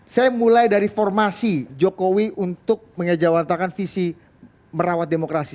saya mulai dari formasi jokowi untuk mengejawantakan visi merawat demokrasi